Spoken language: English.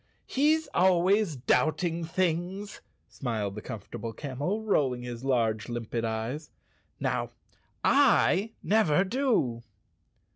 "He's always doubting things," smiled the Comfort¬ able Camel, rolling his large, limpid eyes. "Now, I never do."